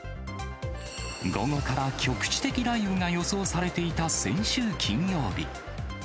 午後から局地的雷雨が予想されていた先週金曜日。